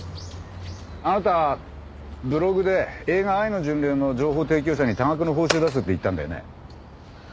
あなたブログで映画『愛の巡礼』の情報提供者に多額の報酬出すって言ったんだよね？